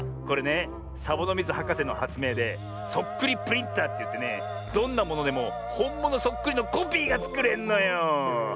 これねサボノミズはかせのはつめいでそっくりプリンターっていってねどんなものでもほんものそっくりのコピーがつくれんのよ！